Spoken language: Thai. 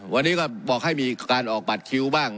วันนี้ก็บอกให้มีการออกบัตรคิวบ้าง